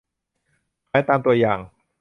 ขายตามตัวอย่าง